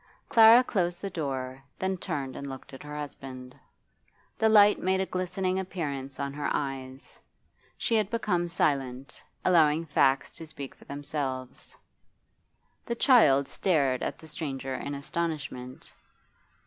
Clara closed the door, then turned and looked at her husband. The light made a glistening appearance on her eyes; she had become silent, allowing facts to speak for themselves. The child stared at the stranger in astonishment.